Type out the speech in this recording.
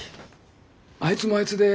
あいつもあいつでくそ